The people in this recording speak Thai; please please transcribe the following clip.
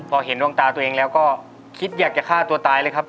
พอเห็นดวงตาตัวเองแล้วก็คิดอยากจะฆ่าตัวตายเลยครับ